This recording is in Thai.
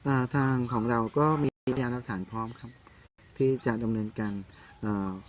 อ่าทางของเราก็มีพยานหลักฐานพร้อมครับที่จะดำเนินการอ่า